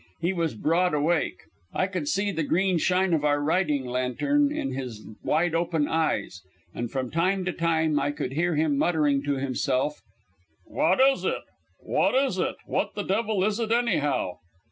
He was broad awake. I could see the green shine of our riding lantern in his wide open eyes, and from time to time I could hear him muttering to himself, "What is it? What is it? What the devil is it, anyhow?"